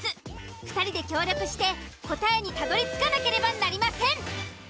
２人で協力して答えにたどりつかなければなりません。